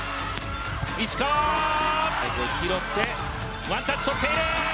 拾ってワンタッチ取っている。